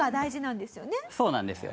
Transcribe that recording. そうなんですよ。